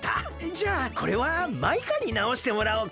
じゃあこれはマイカになおしてもらおうか。